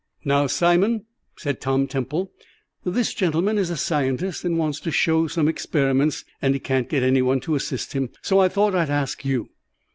"Now, Simon," said Tom Temple, "this gentleman is a scientist and wants to show some experiments, and he can't get any one to assist him, so I thought I'd ask you."